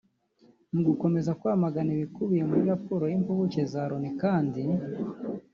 Mu gukomeza kwamagana ibikubiye muri raporo y’impuguke za Loni kandi